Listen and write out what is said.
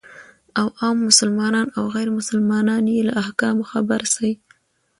او عام مسلمانان او غير مسلمانان يې له احکامو خبر سي،